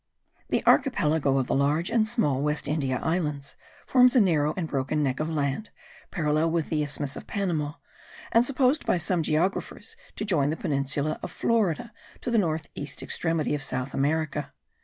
The archipelago of the large and small West India Islands forms a narrow and broken neck of land, parallel with the isthmus of Panama, and supposed by some geographers to join the peninsula of Florida to the north east extremity of South America.